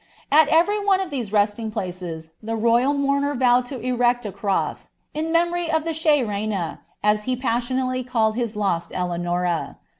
At ne of these resting places the ro3ral mourner vowed to erect a I memory of the chere reine^ as he passionately called his lost a.